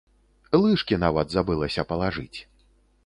Лыжкі нават забылася палажыць.